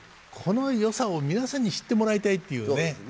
このよさを皆さんに知ってもらいたいっていうね